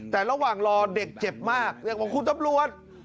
แต่ระหว่างรอเด็กเจ็บมากยังบอกครุ่นตำรวจ